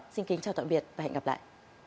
xin kính chào tạm biệt và hẹn gặp lại